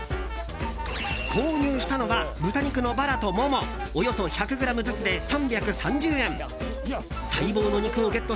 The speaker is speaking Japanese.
購入したのは豚肉のバラとモモおよそ１００ｇずつで３３０円。